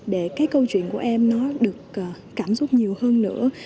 để cái câu chuyện của em nó được cảm xúc nhiều hơn nữa